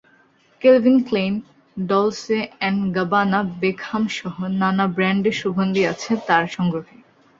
Kelvin Klein, Dolce and Gabbana বেকহামসহ নানা ব্র্যান্ডের সুগন্ধি আছে তাঁর সংগ্রহে।